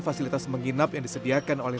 fasilitas menginap yang disediakan oleh